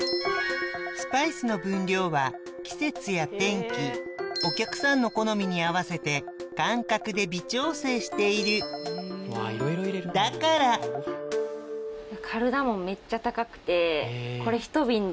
スパイスの分量は季節や天気お客さんの好みに合わせて感覚で微調整しているだからそしてななさんのそうなんですよ。